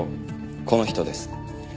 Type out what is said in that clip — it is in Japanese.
この人です。